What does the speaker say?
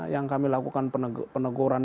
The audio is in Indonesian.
yang kami lakukan peneguran